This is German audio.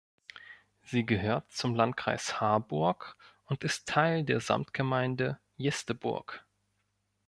Sie gehört zum Landkreis Harburg und ist Teil der Samtgemeinde Jesteburg.